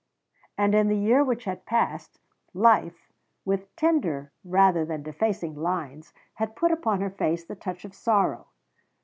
And in the year which had passed, life, with tender rather than defacing lines, had put upon her face the touch of sorrow.